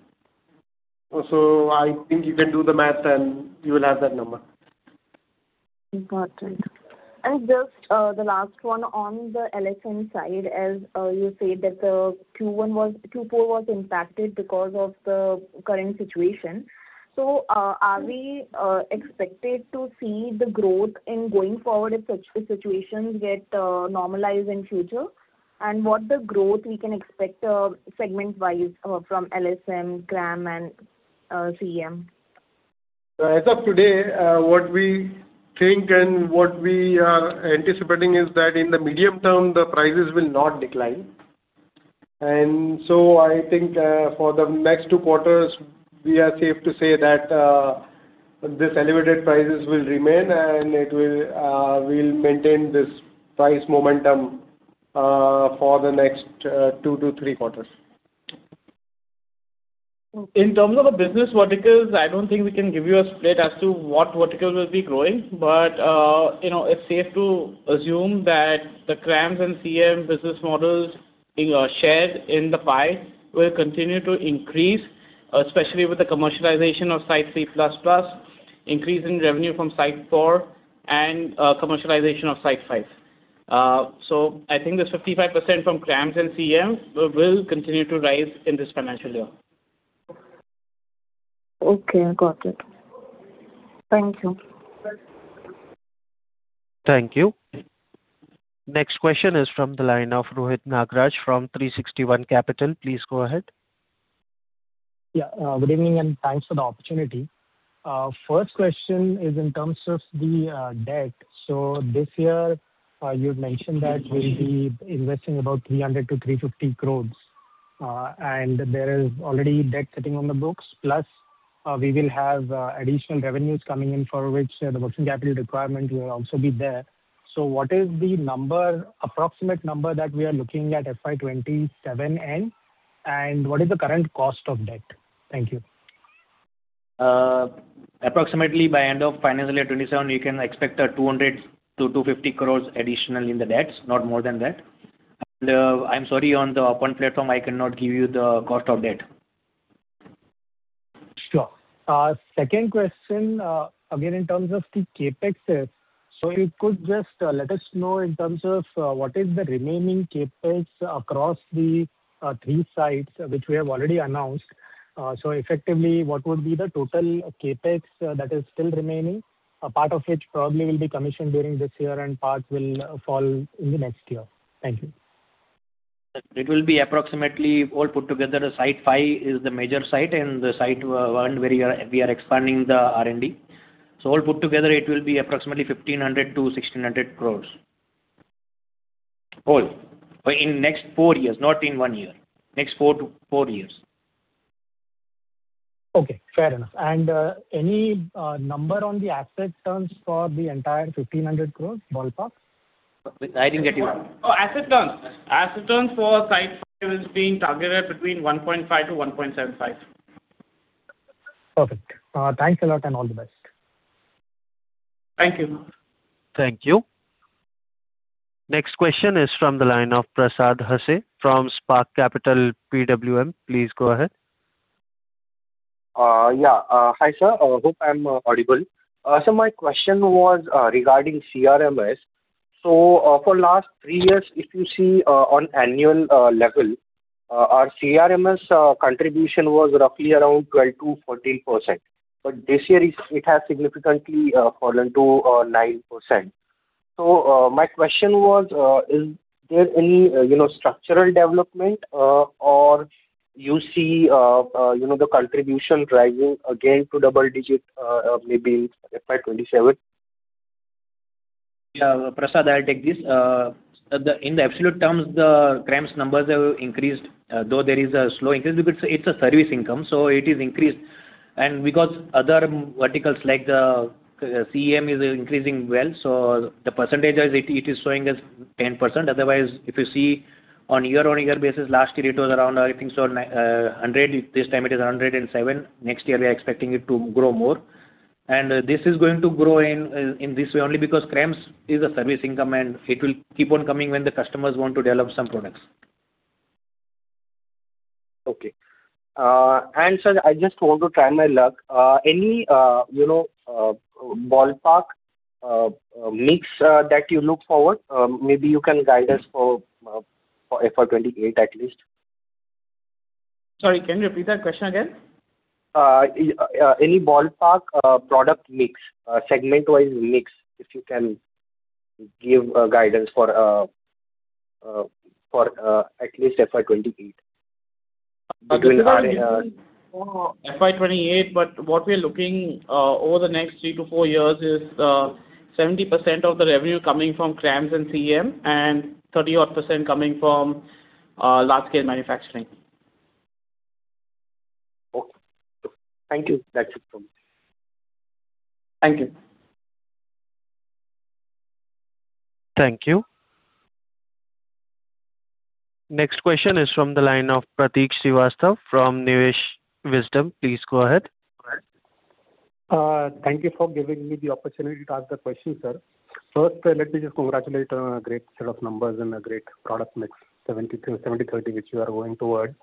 I think you can do the math and you will have that number. Got it. Just the last one on the LSM side, as you said that the Q4 was impacted because of the current situation. Are we expected to see the growth in going forward if such a situation get normalized in future? What the growth we can expect segment-wise from LSM, CRAM and CM? As of today, what we think and what we are anticipating is that in the medium term, the prices will not decline. I think, for the next two quarters, we are safe to say that this elevated prices will remain and it will maintain this price momentum, for the next two to three quarters. In terms of the business verticals, I don't think we can give you a split as to what vertical will be growing. You know, it's safe to assume that the CRAMS and CM business models, share in the pie will continue to increase, especially with the commercialization of Site 3+, increase in revenue from site 4 and commercialization of site 5. I think this 55% from CRAMS and CM will continue to rise in this financial year. Okay, I got it. Thank you. Thank you. Next question is from the line of Rohit Nagraj from 360 ONE Capital. Please go ahead. Good evening and thanks for the opportunity. First question is in terms of the debt. This year, you've mentioned that you'll be investing about 300 crore-350 crore. There is already debt sitting on the books, plus, we will have additional revenues coming in for which the working capital requirement will also be there. What is the number, approximate number that we are looking at FY 2027 end? What is the current cost of debt? Thank you. Approximately by end of financial year 2027, we can expect 200-250 crores additional in the debts, not more than that. I'm sorry, on the open platform I cannot give you the cost of debt. Sure. Second question, again, in terms of the CapEx. If you could just let us know in terms of what is the remaining CapEx across the 3 sites which we have already announced. Effectively, what would be the total CapEx that is still remaining? A part of which probably will be commissioned during this year and part will fall in the next year. Thank you. It will be approximately all put together, Site 5 is the major site and the Site 1 where we are expanding the R&D. All put together, it will be approximately 1,500 crore to 1,600 crore. All, but in next four years, not in one year. Next four to four years. Okay, fair enough. Any number on the asset turns for the entire 1,500 crores ballpark? I didn't get you. Oh, asset turns. Asset turns for site five is being targeted between 1.5 to 1.75. Perfect. Thanks a lot and all the best. Thank you. Thank you. Next question is from the line of Prasad Hase from Spark Capital PWM. Please go ahead. Yeah. Hi, sir. Hope I'm audible. My question was regarding CRAMS. For last three years, if you see, on annual level, our CRAMS contribution was roughly around 12%-14%. This year it has significantly fallen to 9%. My question was, is there any, you know, structural development, or you see, you know, the contribution driving again to double digit, maybe FY 2027? Yeah. Prasad, I'll take this. In the absolute terms, the CRAMS numbers have increased. Though there is a slow increase because it's a service income, so it is increased. Because other verticals like the CM is increasing well, so the percentage as it is showing as 10%. Otherwise, if you see on year-on-year basis, last year it was around, I think so, 100. This time it is 107. Next year, we are expecting it to grow more. This is going to grow in this way only because CRAMS is a service income, and it will keep on coming when the customers want to develop some products. Okay. Sir, I just want to try my luck. Any, you know, ballpark mix that you look forward, maybe you can guide us for FY 2028 at least. Sorry, can you repeat that question again? Any ballpark product mix, segment-wise mix, if you can give guidance for at least FY 2028 between RA. For FY 2028, what we are looking over the next three to four years is 70% of the revenue coming from CRAMS and CM, and 30% odd coming from large scale manufacturing. Okay. Thank you. That's it from me. Thank you. Thank you. Next question is from the line of Prateek Srivastava from Nivesh Wisdom. Please go ahead. Thank you for giving me the opportunity to ask the question, sir. First, let me just congratulate on a great set of numbers and a great product mix, 70/30, which you are going toward.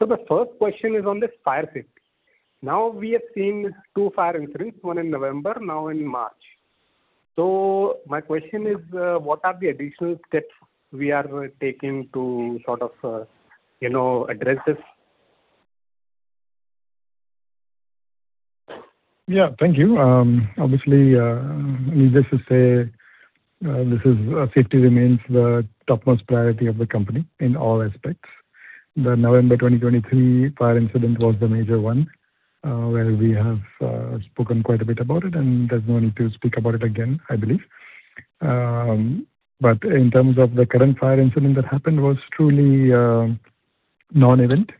The first question is on this fire safety. We have seen 2 fire incidents, 1 in November, now in March. My question is, what are the additional steps we are taking to sort of, you know, address this? Yeah. Thank you. Obviously, needless to say, this is, safety remains the topmost priority of the company in all aspects. The November 2023 fire incident was the major one, where we have spoken quite a bit about it, and there's no need to speak about it again, I believe. But in terms of the current fire incident that happened was truly a non-event.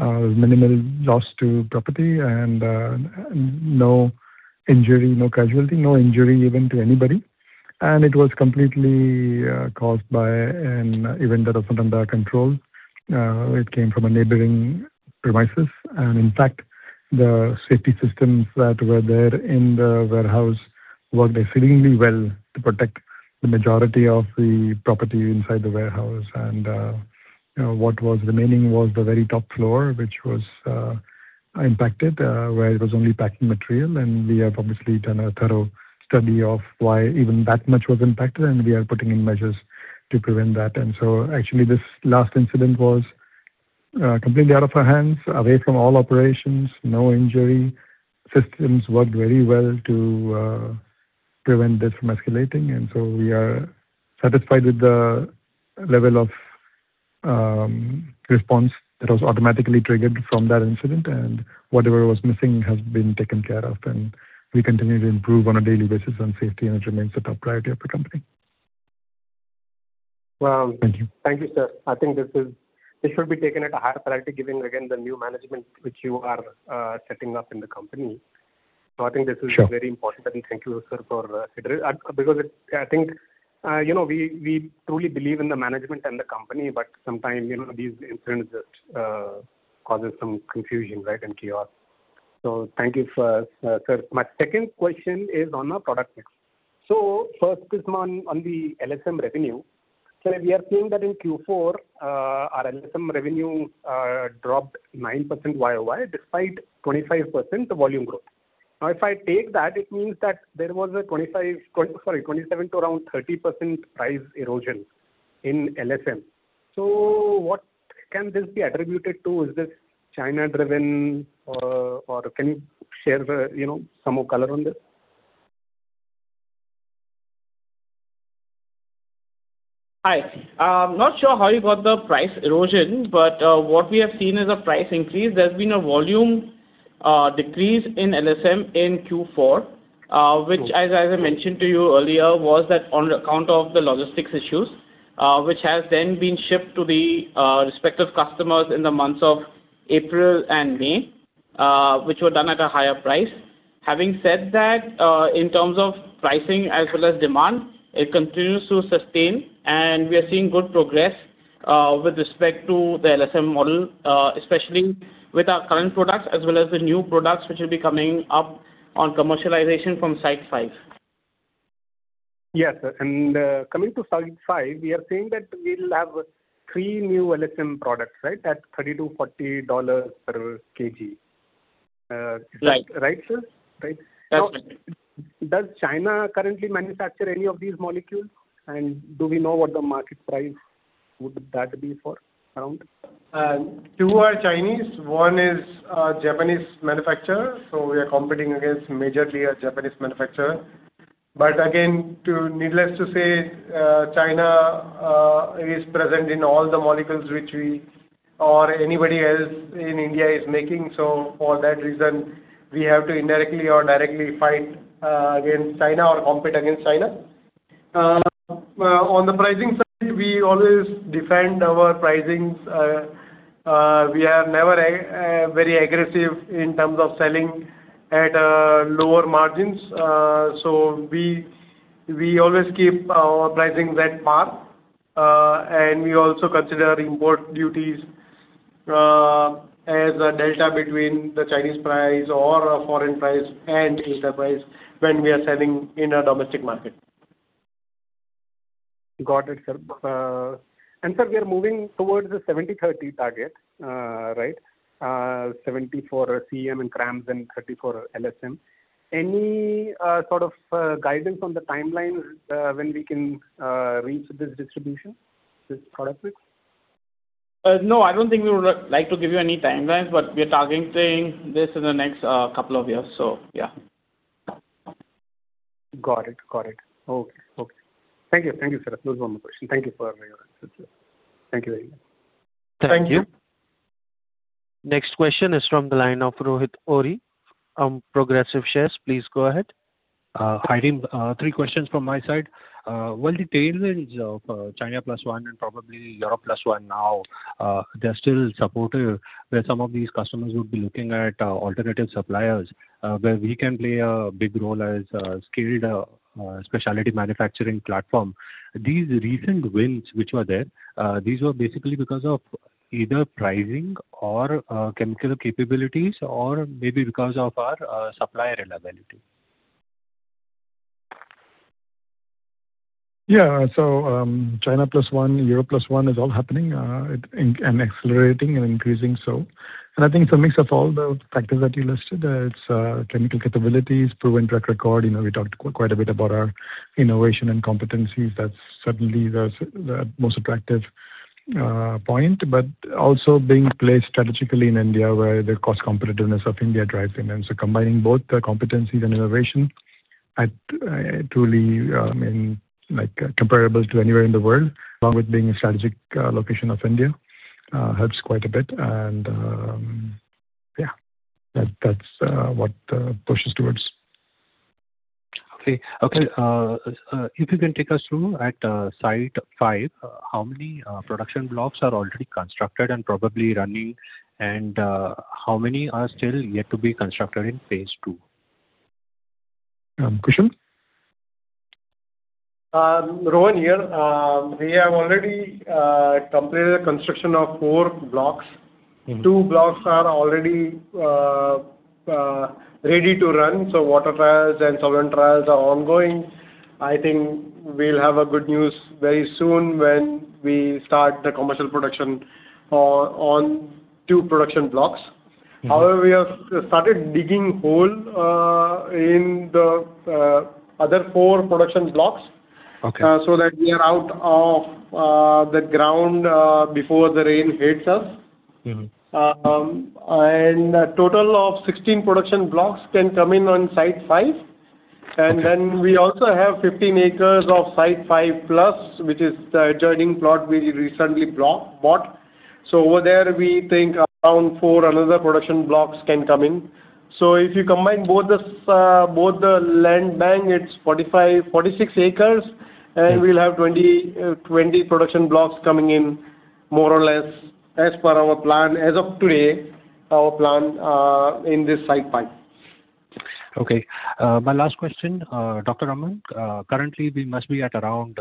Minimal loss to property and no injury, no casualty, no injury even to anybody. It was completely caused by an event that was not under our control. It came from a neighboring premises. In fact, the safety systems that were there in the warehouse worked exceedingly well to protect the majority of the property inside the warehouse. You know, what was remaining was the very top floor, which was impacted, where it was only packing material. We have obviously done a thorough study of why even that much was impacted, we are putting in measures to prevent that. Actually this last incident was completely out of our hands, away from all operations, no injury. Systems worked very well to prevent this from escalating. We are satisfied with the level of response that was automatically triggered from that incident. Whatever was missing has been taken care of, we continue to improve on a daily basis on safety, it remains a top priority of the company. Well Thank you. Thank you, sir. I think this should be taken at a higher priority, given again the new management which you are setting up in the company. Sure. Very important and thank you, sir, for it because I think, you know, we truly believe in the management and the company, but sometimes, you know, these incidents causes some confusion, right, and chaos. Thank you for, sir. My second question is on our product mix. First is on the LSM revenue. We are seeing that in Q4, our LSM revenue dropped 9% year-over-year despite 25% volume growth. Now, if I take that, it means that there was a 25 sorry, 27% to around 30% price erosion in LSM. What can this be attributed to? Is this China-driven or can you share the, you know, some more color on this? Hi. Not sure how you got the price erosion, what we have seen is a price increase. There's been a volume decrease in LSM in Q4, which as I mentioned to you earlier, was that on account of the logistics issues, which has then been shipped to the respective customers in the months of April and May, which were done at a higher price. Having said that, in terms of pricing as well as demand, it continues to sustain and we are seeing good progress with respect to the LSM model, especially with our current products as well as the new products which will be coming up on commercialization from Site 5. Yes, sir. Coming to Site 5, we are seeing that we'll have 3 new LSM products, right, at $30-$40 per kg. Right. Right, sir? Right. Absolutely. Does China currently manufacture any of these molecules? Do we know what the market price would that be for around? Two are Chinese, one is a Japanese manufacturer, so we are competing against majorly a Japanese manufacturer. Again, to needless to say, China is present in all the molecules which we or anybody else in India is making. For that reason we have to indirectly or directly fight against China or compete against China. On the pricing side, we always defend our pricings. We are never very aggressive in terms of selling at lower margins. We always keep our pricing at par. We also consider import duties as a delta between the Chinese price or a foreign price and listed price when we are selling in a domestic market. Got it, sir. Sir, we are moving towards the 70-30 target, right? 70% for CM and CRAMS and 30% for LSM. Any sort of guidance on the timelines when we can reach this distribution, this product mix? No, I don't think we would like to give you any timelines, but we are targeting this in the next couple of years. Yeah. Got it. Got it. Okay. Okay. Thank you. Thank you, sir. That was one more question. Thank you for Thank you. Thank you very much. Thank you. Thank you. Next question is from the line of Rohit Ohri, Progressive Shares. Please go ahead. Hi, Aman. Three questions from my side. While the tailwinds of China plus one and probably Europe plus one now, they're still supportive where some of these customers would be looking at alternative suppliers, where we can play a big role as a skilled specialty manufacturing platform. These recent wins which were there, these were basically because of either pricing or chemical capabilities or maybe because of our supplier reliability. Yeah. China plus one, Europe plus one is all happening and accelerating and increasing so. I think it's a mix of all the factors that you listed. It's chemical capabilities, proven track record. You know, we talked quite a bit about our innovation and competencies. That's certainly the most attractive point. Also being placed strategically in India where the cost competitiveness of India drives finance. Combining both the competencies and innovation at truly in like comparable to anywhere in the world, along with being a strategic location of India, helps quite a bit and, yeah, that's what pushes towards. Okay. If you can take us through at Site 5, how many production blocks are already constructed and probably running, and how many are still yet to be constructed in phase II? Kushal? Rohan here. We have already completed the construction of four blocks. Two blocks are already ready to run, so water trials and solvent trials are ongoing. I think we'll have a good news very soon when we start the commercial production on 2 production blocks. However, we have started digging hole in the other four production blocks. Okay. That we are out of the ground before the rain hits us. A total of 16 production blocks can come in on Site 5. We also have 15 acres of Site 5+, which is the adjoining plot we recently bought. Over there we think around four another production blocks can come in. If you combine both this, both the land bank, it's 45, 46 acres, we'll have 20 production blocks coming in more or less as per our plan as of today, our plan, in this Site 5. Okay. My last question, Dr. Aman Desai. Currently we must be at around,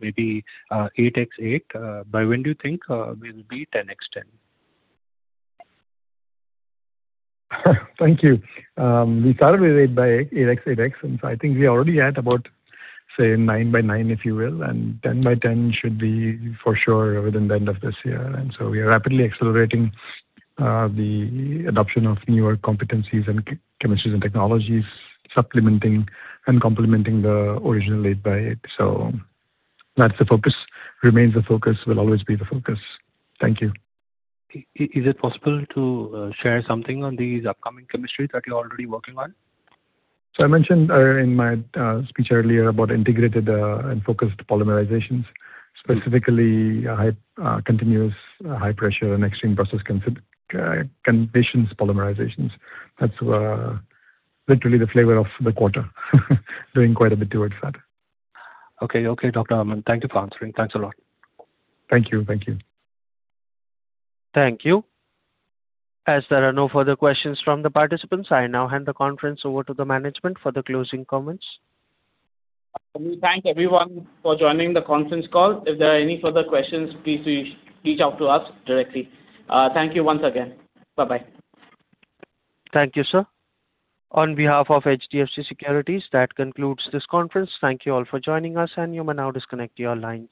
maybe, 8x8. By when do you think we will be 10x10? Thank you. We started with 8x8. I think we are already at about, say, 9x9, if you will, and 10x10 should be for sure within the end of this year. We are rapidly accelerating the adoption of newer competencies and chemistries and technologies, supplementing and complementing the original 8x8. That's the focus, remains the focus, will always be the focus. Thank you. Is it possible to share something on these upcoming chemistries that you're already working on? I mentioned in my speech earlier about integrated and focused polymerizations, specifically high continuous high pressure and extreme process conditions polymerizations. That's literally the flavor of the quarter. Doing quite a bit towards that. Okay. Okay, Dr. Aman. Thank you for answering. Thanks a lot. Thank you. Thank you. Thank you. As there are no further questions from the participants, I now hand the conference over to the management for the closing comments. We thank everyone for joining the conference call. If there are any further questions, please reach out to us directly. Thank you once again. Bye-bye. Thank you, sir. On behalf of HDFC Securities, that concludes this conference. Thank you all for joining us, and you may now disconnect your lines.